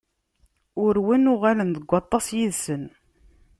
Urwen, uɣalen deg waṭas yid-sen.